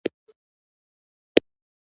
بې وس يم د بيلتون او محبت دې بد تضاد ته